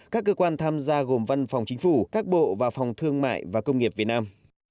các cơ quan tham gia gồm văn phòng chính phủ các bộ và phòng thương mại và công nghiệp việt nam